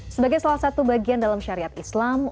sebagai salah satu bagian dalam syariat islam